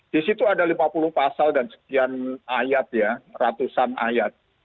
di situ ada lima puluh pasal dan sekian ayat ya ratusan ayat